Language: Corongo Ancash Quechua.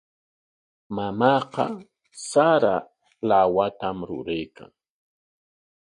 Mamaaqa sara lawatam ruraykan.